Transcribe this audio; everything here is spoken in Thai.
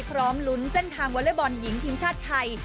พร้อมลุ้นเส้นทางวอเล็กบอลหญิงทีมชาติไทย